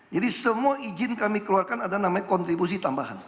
jadi semua izin kami keluarkan ada namanya kontribusi tambahan